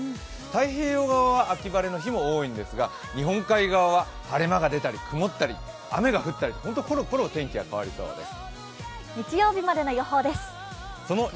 太平洋側、秋晴れに日も多いんですが、日本海側は晴れ間が出たり曇ったり、雨が降ったり、本当にころころ天気が変わりそうです。